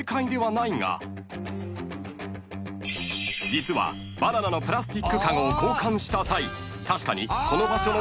［実はバナナのプラスチック籠を交換した際］